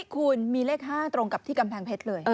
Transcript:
คุณมีเลข๕ตรงกับที่กำแพงเพชรเลย